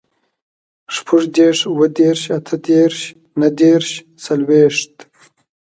شپوږدېرس, اوهدېرس, اتهدېرس, نهدېرس, څلوېښت